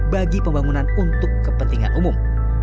bagi pembangunan untuk kepentingan umum